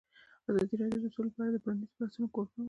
ازادي راډیو د سوله په اړه د پرانیستو بحثونو کوربه وه.